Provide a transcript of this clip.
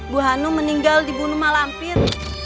bu hanum meninggal dibunuh malampir